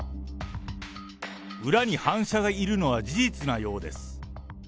裏に反社がいるのは事実なようです。